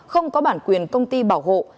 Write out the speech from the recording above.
không có bản quyền công ty bảo hộ